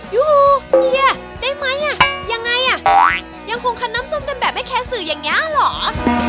ยูเฮียได้ไหมอ่ะยังไงอ่ะยังคงคันน้ำส้มกันแบบไม่แคร์สื่ออย่างนี้เหรอ